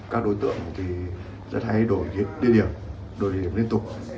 các đối tượng thì rất hay đổi địa điểm đổi địa điểm liên tục